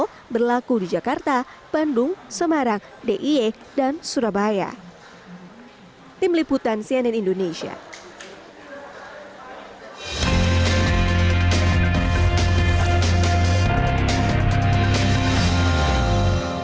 anak berusia di bawah dua belas tahun masuk mal berlaku di jakarta bandung semarang d i e dan surabaya